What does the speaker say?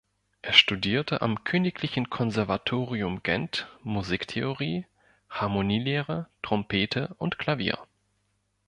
Er studierte am Königlichen Konservatorium Gent, Musiktheorie, Harmonielehre, Trompete und Klavier.